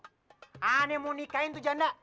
ada yang mau nikahin tuh janda